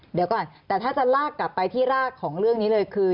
เดี๋ยวก่อนแต่ถ้าจะลากกลับไปที่รากของเรื่องนี้เลยคือ